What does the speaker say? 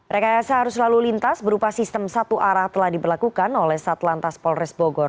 rekasa harus selalu lintas berupa sistem satu arah telah diperlakukan oleh satlantas polres bogor